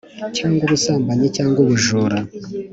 cyangwa ubusambanyi cyangwa ubujura.